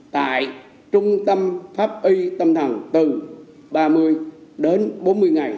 tại trung tâm pháp y tâm thần từ ba mươi đến bốn mươi ngày